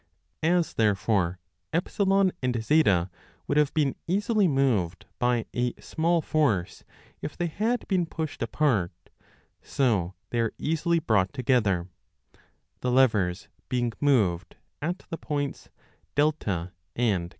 As, there 854 b fore, E and Z would have been easily moved by a small force if they had been pushed apart, so they are easily brought together, the levers being moved at the points A and T.